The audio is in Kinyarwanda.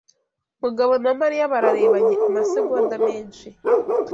Mugabo na Mariya bararebanye amasegonda menshi.